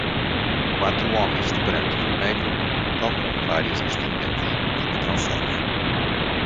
Quatro homens de branco e vermelho tocam vários instrumentos juntos na calçada.